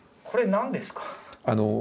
これ何ですか？